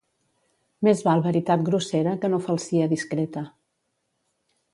Més val veritat grossera, que no falsia discreta.